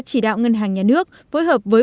chỉ đạo ngân hàng nhà nước phối hợp với